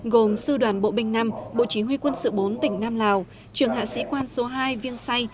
gồm sư đoàn bộ binh năm bộ chỉ huy quân sự bốn tỉnh nam lào trường hạ sĩ quan số hai viêng say